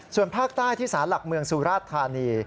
ส่วนภาคใต้ที่ศาลักษณ์เมืองสุราธานี